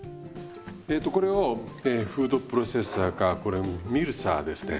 えとこれをフードプロセッサーかこれミルサーですね